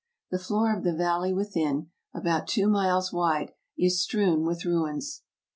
The floor of the valley within, about two miles wide, is strewn with ruins.